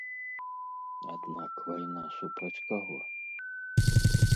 Аднак вайна супраць каго?